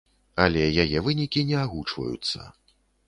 Але яе вынікі не агучваюцца.